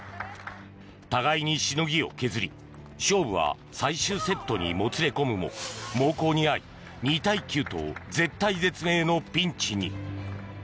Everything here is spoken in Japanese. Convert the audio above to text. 互いにしのぎを削り勝負は最終セットにもつれ込むも猛攻に遭い、２対９と絶体絶命のピンチに。